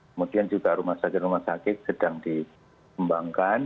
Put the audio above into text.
kemudian juga rumah sakit rumah sakit sedang dikembangkan